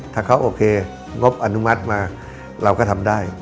ถ้าเขาโอเคงบอนุมัติมาเราก็ทำได้